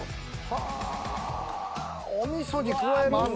お味噌に加えるんだ。